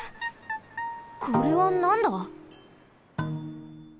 これはなんだ！？